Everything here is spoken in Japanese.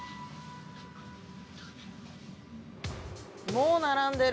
もう並んでる。